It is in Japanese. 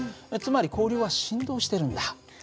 つまり交流は振動してるんだ。